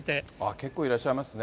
結構いらっしゃいますね。